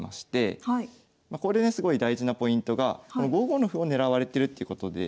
これですごい大事なポイントが５五の歩を狙われてるっていうことで。え。